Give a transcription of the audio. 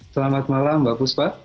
selamat malam bagus pak